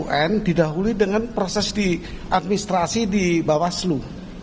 yang didahului dengan proses administrasi di bawah selu